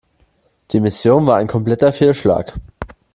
Die Mission war ein kompletter Fehlschlag.